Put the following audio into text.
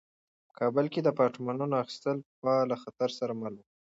په کابل کې د اپارتمانونو اخیستل پخوا له خطر سره مل وو.